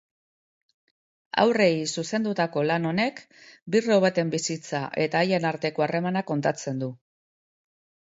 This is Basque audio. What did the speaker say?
Haurrei zuzendutako lan honek bi roboten bizitza eta haien arteko harremana kontatzen du.